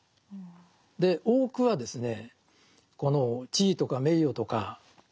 多くはですね